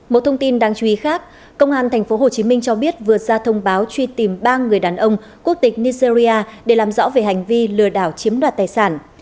một thông tin đáng chú ý khác công an tp hcm cho biết vừa ra thông báo truy tìm ba người đàn ông quốc tịch nigeria để làm rõ về hành vi lừa đảo chiếm đoạt tài sản